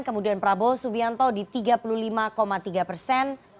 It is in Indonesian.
kemudian prabowo subianto di tiga puluh lima tiga persen